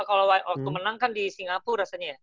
kalau waktu menang kan di singapura rasanya ya